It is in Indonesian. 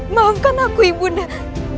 maafkan aku ibu undah